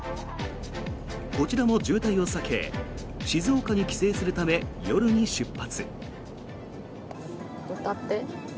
こちらも渋滞を避け静岡に帰省するため夜に出発。